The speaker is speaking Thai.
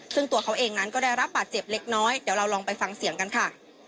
ซึ่งตัวเขาเองนั้นก็ได้รับบาดเจ็บเล็กน้อยเดี๋ยวเราลองไปฟังเสียงกันค่ะ